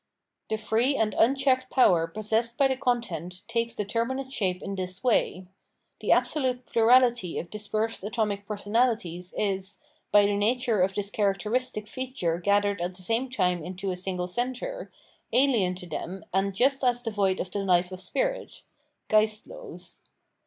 The free and unchecked power possessed by the content takes determinate shape in this way. The absolute plurahty of dispersed atomic personalities is, by the nature of this characteristic feature gathered at the same time into a single centre, alien to 483 Legal Status tliem and just as devoid of the life of spirit (geistlos).